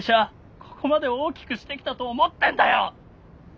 ここまで大きくしてきたと思ってんだよ！